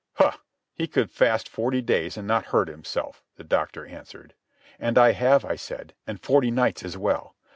"Huh, he could fast forty days and not hurt himself," the doctor answered. "And I have," I said, "and forty nights as well.